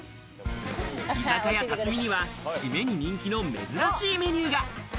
居酒屋たつみには、締めに人気の珍しいメニューが。